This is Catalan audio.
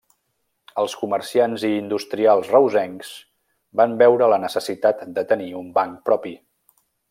Els comerciants i industrials reusencs van veure la necessitat de tenir un banc propi.